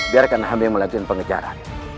biarkan hamba yang melakukan pengejaran